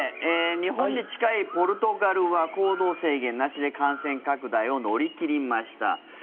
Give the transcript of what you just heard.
日本に近いポルトガルは行動制限なしで感染拡大を乗り切りました。